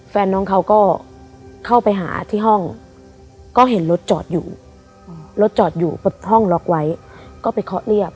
แฟนน้องเขาก็เข้าไปหาที่ห้องก็เห็นรถจอดอยู่รถจอดอยู่ห้องล็อกไว้ก็ไปเคาะเรียบ